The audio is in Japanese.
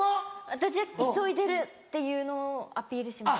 私は急いでるっていうのをアピールします。